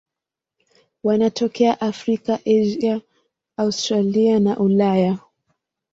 Wanatokea Afrika, Asia, Australia na Ulaya.